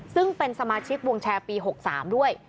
ซึ่งเป็นสมาชิกวงแชร์ปี๖๓ด้วย